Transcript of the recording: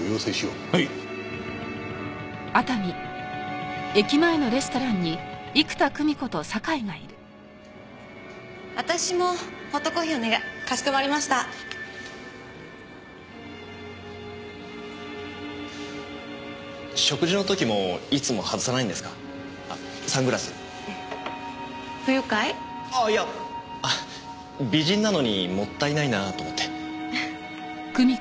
ああいや美人なのにもったいないなあと思って。